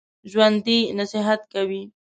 ژوندي نصیحت کوي